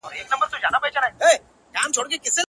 لکه ول ستوري داسمان داسي راڼه ملګري،